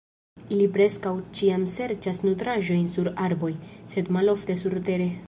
Ili preskaŭ ĉiam serĉas nutraĵojn sur arboj, sed malofte surtere.